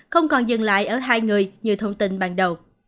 không còn dừng lại ở hai người như thông tin ban đầu